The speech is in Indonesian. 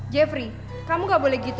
jeffrey kamu gak boleh gitu